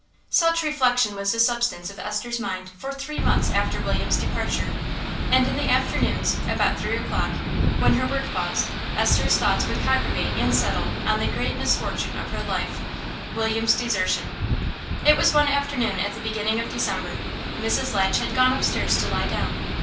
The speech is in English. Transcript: Such reflection was the substance of Esther's mind for three months after William's departure; and in the afternoons, about three o'clock, when her work paused, Esther's thoughts would congregate and settle on the great misfortune of her life William's desertion. It was one afternoon at the beginning of December; Mrs. Latch had gone upstairs to lie down.